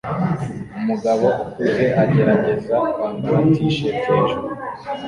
Umugabo ukuze agerageza kwambara t-shirt hejuru